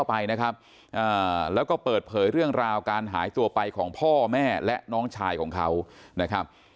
ไปนะครับแล้วก็เปิดเผยเรื่องราวการหายตัวไปของพ่อแม่และน้องชายของเขานะครับ